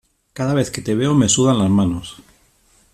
Cada vez que te veo me sudan las manos.